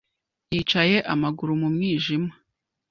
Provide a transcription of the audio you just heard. yicaye amaguru mu mwijima.